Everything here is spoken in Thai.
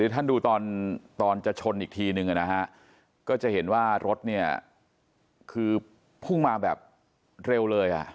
ท่านดูตอนจะชนอีกทีนึงนะฮะก็จะเห็นว่ารถเนี่ยคือพุ่งมาแบบเร็วเลย